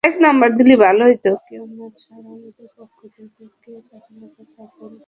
কেউ না স্যার আমাদের পক্ষ থেকে কে তাহলে কথা বলবে?